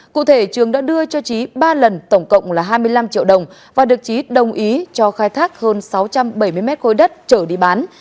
cụ thể trường đã đưa cho trí ba lần tổng cộng là hai mươi năm triệu đồng và được trí đồng ý cho khai thác hơn sáu trăm bảy mươi mét khối đất trở đi bán